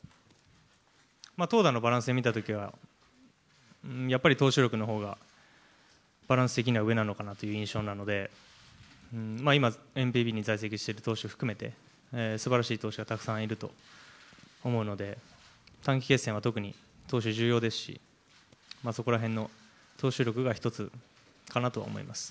投打のバランスで見たときは、やっぱり投手力のほうがバランス的には上なのかなという印象なので、今、ＮＰＢに在籍している投手含めて、すばらしい投手がたくさんいると思うので、短期決戦は特に投手、重要ですし、そこらへんの投手力が一つかなと思います。